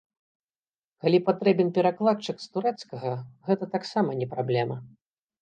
Калі патрэбен перакладчык з турэцкага, гэта таксама не праблема.